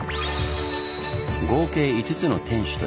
合計５つの天守と櫓。